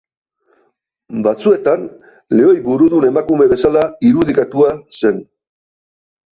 Batzuetan, lehoi burudun emakume bezala irudikatua zen.